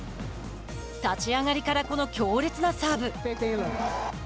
立ち上がりからこの強烈なサーブ。